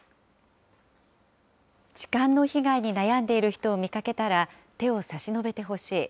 痴漢の被害に悩んでいる人を見かけたら手を差し伸べてほしい。